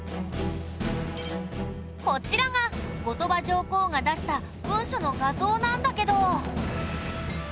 こちらが後鳥羽上皇が出した文書の画像なんだけど。